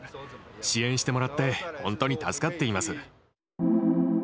支援してもらって本当に助かっています。